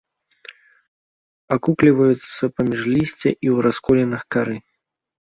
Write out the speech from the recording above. Акукліваюцца паміж лісця і ў расколінах кары.